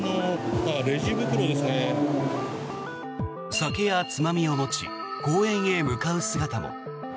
酒やつまみを持ち公園へ向かう姿も。